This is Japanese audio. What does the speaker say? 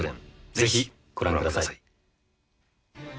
ぜひご覧ください。